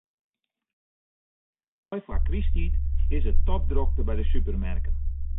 De dei foar krysttiid is it topdrokte by de supermerken.